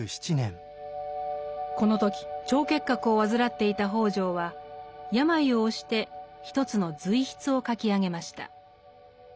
この時腸結核を患っていた北條は病を押して一つの随筆を書き上げました。